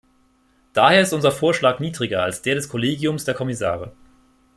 Daher ist unser Vorschlag niedriger als der des Kollegiums der Kommissare.